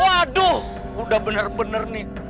aduh udah bener bener nih